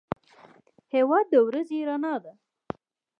هېواد د ورځې رڼا ده.